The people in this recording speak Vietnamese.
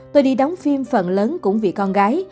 tôi đi đóng phim phần lớn cũng vì con gái